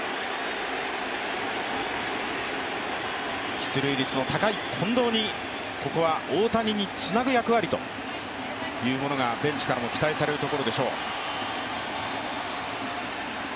出塁率の高い近藤に大谷につなぐ役割もベンチから期待されるところでしょう。